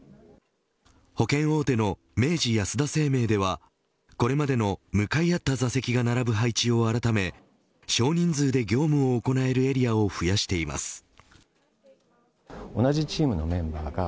保険大手の明治安田生命ではこれまでの、向かい合った座席が並ぶ配置を改め少人数で業務を行えるエリアを増やしています。